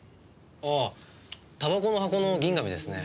ああタバコの箱の銀紙ですね。